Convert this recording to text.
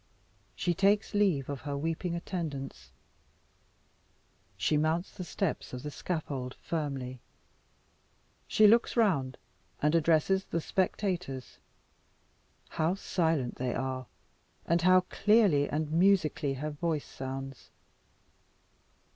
She takes leave of her weeping attendants she mounts the steps of the scaffold firmly she looks round, and addresses the spectators. How silent they are, and how clearly and musically her voice sounds!